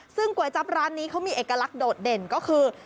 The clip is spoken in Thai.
ซึ่งก๋วยจั๊บร้านนี้เขามีเอกลักษณ์โดดเด่นก็คือ